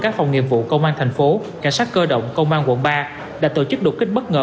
các phòng nghiệp vụ công an thành phố cảnh sát cơ động công an quận ba đã tổ chức đột kích bất ngờ